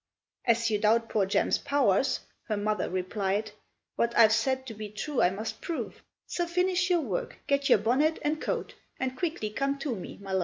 "As you doubt poor Jem's powers," her mother replied, "What I've said to be true I must prove; So finish your work, get your bonnet and coat, And quickly come to me, my love."